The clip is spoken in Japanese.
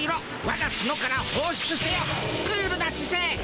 わが角から放出せよクールな知せい。